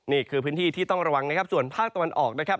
นี่คือพื้นที่ที่ต้องระวังนะครับส่วนภาคตะวันออกนะครับ